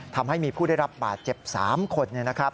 ทำให้มีผู้ได้รับบาดเจ็บ๓คน